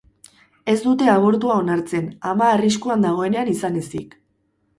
Ez dute abortua onartzen, ama arriskuan dagoenean izan ezik.